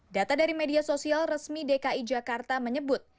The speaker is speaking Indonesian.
data dari media sosial resmi dki jakarta menyebut